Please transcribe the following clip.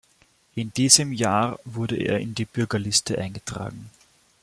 In diesem Jahr wurde er in die Bürgerliste eingetragen.